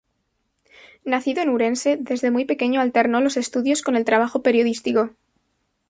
Nacido en Ourense, desde muy pequeño alternó los estudios con el trabajo periodístico.